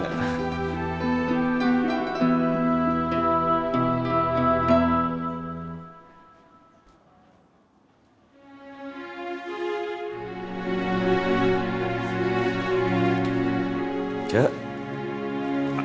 cilok cihoyama lima ratusan